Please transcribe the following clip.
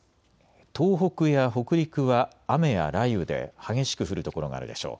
東北や北陸は雨や雷雨で激しく降る所があるでしょう。